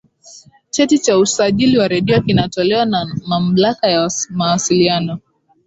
cheti cha usajili wa redio kinatolewa na mamlaka ya mawasiliano